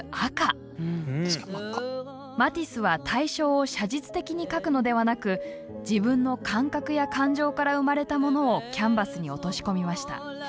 マティスは対象を写実的に描くのではなく自分の感覚や感情から生まれたものをキャンバスに落とし込みました。